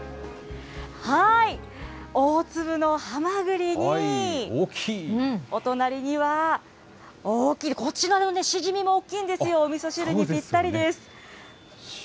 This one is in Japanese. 大粒のハマグリに、お隣にはこちらのシジミも大きいんですよ、おみそ汁にぴったりです。